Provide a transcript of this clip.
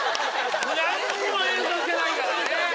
何にも演奏してないからね！